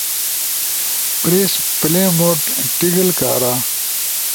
پریس پلے موڈ ٹگل کارا